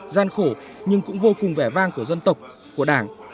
gian khổ nhưng cũng vô cùng vẻ vang của dân tộc của đảng